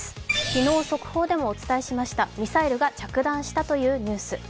昨日速報でもお伝えしました、ミサイルが着弾したというニュース。